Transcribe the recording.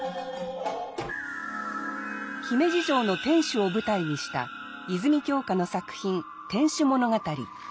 姫路城の天守を舞台にした泉鏡花の作品「天守物語」。